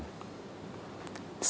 satu hal yang pasti